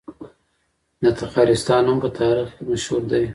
د تخارستان نوم په تاریخ کې مشهور دی